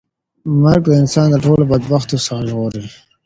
مرګ انسان له ټولو بدبختیو څخه ژغوري.